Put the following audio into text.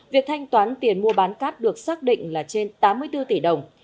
việc thanh toán tiền mua bán cát được xác định là trên tám mươi bốn tỷ đồng